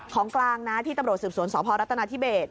ของกลางนะที่ตำรวจสืบสวนสพรัฐนาธิเบส